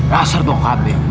rasar dong kb